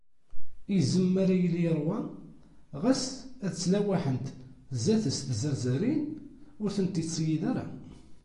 Izem mi ara yili yeṛwa, xas ad ttlawaḥent zdat-s tzerzarin, ur tent-ittṣeyyid ara.